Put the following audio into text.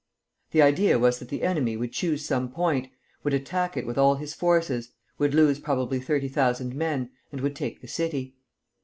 The idea was that the enemy would choose some point, would attack it with all his forces, would lose probably thirty thousand men, and would take the city.